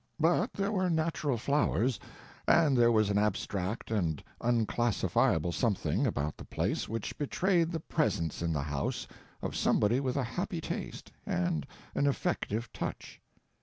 But there were natural flowers, and there was an abstract and unclassifiable something about the place which betrayed the presence in the house of somebody with a happy taste and an effective touch.